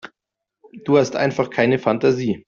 Du hast einfach keine Fantasie.